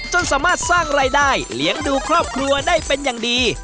จนสามารถสร้างรายได้เลี้ยงดูครอบครัวได้เป็นอย่างดี